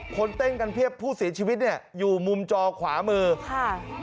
คนเต้นกันเพียบผู้เสียชีวิตเนี่ยอยู่มุมจอขวามือค่ะ